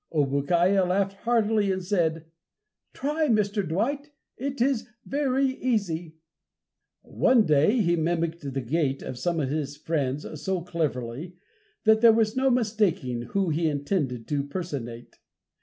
Obookiah laughed heartily and said, "try, Mr. Dwight, it is very easy!" One day he mimicked the gait of some of his friends so cleverly, that there was no mistaking whom he intended to personate.